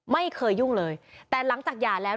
ไม่เคยยุ่งเลยแต่หลังจากหย่าแล้ว